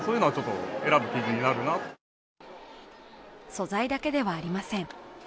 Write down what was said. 素材だけではありません。